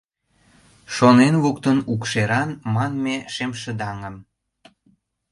Шонен луктын укшеран манме шемшыдаҥым...